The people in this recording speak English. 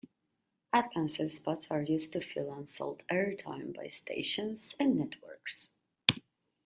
Ad Council spots are used to fill unsold air time by stations and networks.